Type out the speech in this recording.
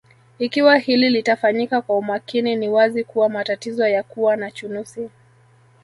Ikiwa hili litafanyika kwa umakini ni wazi kuwa matatizo ya kuwa na chunusi